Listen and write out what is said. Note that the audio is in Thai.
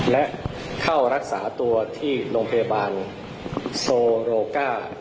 และเข้ารักษาตัวที่โรงพยาบาลโซโรก้า